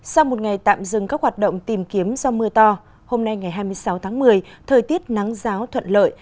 sau một ngày tạm dừng các hoạt động tìm kiếm do mưa to hôm nay ngày hai mươi sáu tháng một mươi thời tiết nắng giáo thuận lợi